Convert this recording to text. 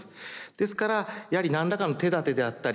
ですからやはり何らかの手だてであったり